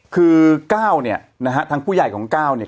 คือ๙เนี่ยนะฮะทางผู้ใหญ่ของก้าวเนี่ย